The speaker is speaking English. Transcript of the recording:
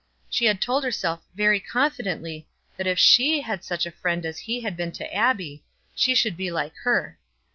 She had told herself very confidently that if she had such a friend as he had been to Abbie, she should be like her.